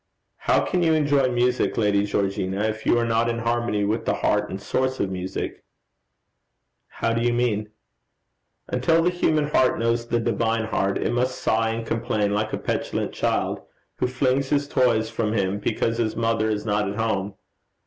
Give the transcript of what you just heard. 'How can you enjoy music, Lady Georgina, if you are not in harmony with the heart and source of music?' 'How do you mean?' 'Until the human heart knows the divine heart, it must sigh and complain like a petulant child, who flings his toys from him because his mother is not at home.